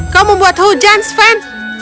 kau membuat hujan sven